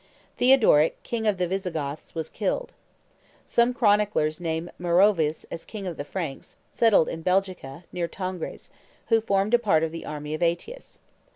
Theodoric, King of the Visigoths, was killed. Some chroniclers name Meroveus as King of the Franks, settled in Belgica, near Tongres, who formed part of the army of Aetius.